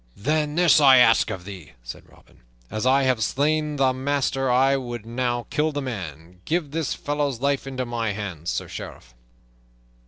"Then this I ask of thee," said Robin. "As I have slain the master I would now kill the man. Give this fellow's life into my hands, Sir Sheriff."